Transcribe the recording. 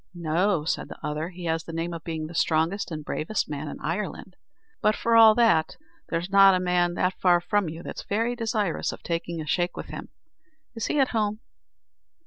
"No," said the other, "he has the name of being the strongest and bravest man in Ireland; but for all that, there's a man not far from you that's very desirous of taking a shake with him. Is he at home?"